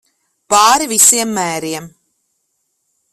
Pāri visiem mēriem.